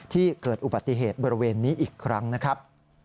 ที่เกิดอุบัติเหตุบริเวณนี้อีกครั้งนะครับ